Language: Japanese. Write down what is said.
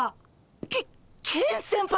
ケケン先輩？